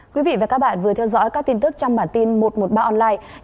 quý vị và các bạn vừa theo dõi các tin tức trong bản tin một trăm một mươi ba online